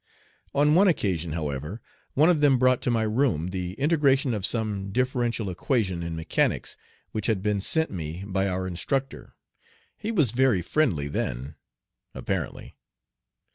On one occasion, however, one of them brought to my room the integration of some differential equation in mechanics which had been sent me by our instructor. He was very friendly then, apparently.